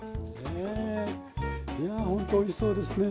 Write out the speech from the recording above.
いやほんとおいしそうですね。